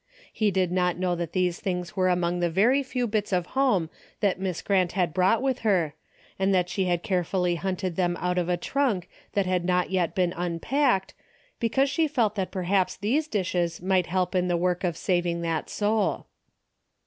He did not know that these things were among the very few bits of home that Miss Grant had brought with her, and that she had carefully hunted them out of a trunk that had not yet been unpacked, because she felt that perhaps these dishes might help in the work of saving that soul.